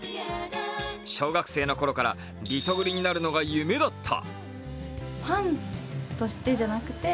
小学生の頃からリトグリになるのが夢だった。